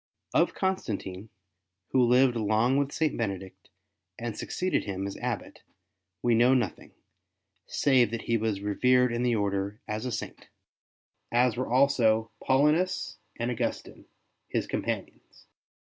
Of Const antine, who lived long with St. Benedict and succeeded him as Abbot, we know nothing save that he was revered in the Order as a Saint, as were also Paulinus and Augustine, his companions.